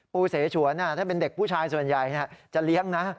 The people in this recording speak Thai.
เสฉวนถ้าเป็นเด็กผู้ชายส่วนใหญ่จะเลี้ยงนะ